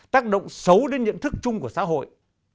tác động xấu đến nhận thức chung của xã hội